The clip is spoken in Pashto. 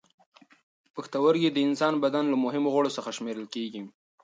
پښتورګي د انساني بدن له مهمو غړو څخه شمېرل کېږي.